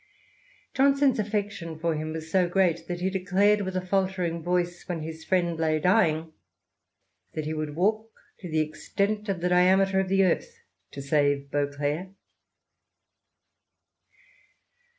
Johnson's affection for him was so great that he declared, with a faltering voic^ when his friend lay dying, that he would walk to the " extent of the diameter of the earth to save Beauclerk."